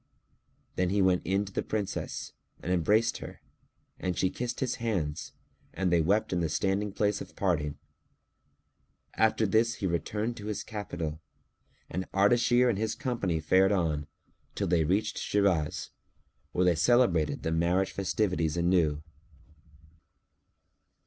Then he went in to the Princess and embraced her; and she kissed his hands and they wept in the standing place of parting. After this he returned to his capital and Ardashir and his company fared on, till they reached Shiraz, where they celebrated the marriage festivities anew.